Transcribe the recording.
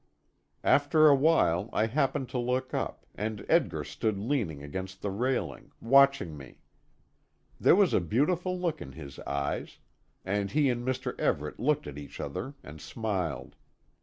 After a while I happened to look up, and Edgar stood leaning against the railing, watching me. There was a beautiful look in his eyes, and he and Mr. Everet looked at each other and smiled.